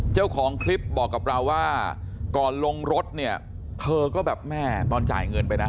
เจ้าของคลิปบอกกับเราว่าก่อนลงรถเนี่ยเธอก็แบบแม่ตอนจ่ายเงินไปนะ